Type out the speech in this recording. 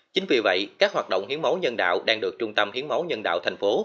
chính vì vậy các hoạt động hiến máu nhân đạo đang được trung tâm hiến máu nhân đạo thành phố